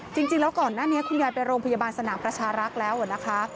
จริงแล้วก่อนหน้านี้คุณยายไปโรงพยาบาลสนามประชารักษ์แล้วนะคะ